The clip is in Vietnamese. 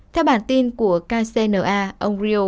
theo bản tin của kcna ông ryo